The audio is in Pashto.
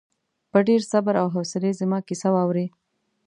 په ډېر صبر او حوصلې زما کیسه واورې.